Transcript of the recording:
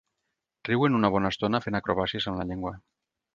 Riuen una bona estona, fent acrobàcies amb la llengua.